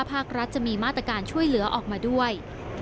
ภาครัฐจะมีมาตรการช่วยเหลือออกมาด้วย